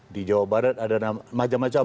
di jawa barat ada macam macam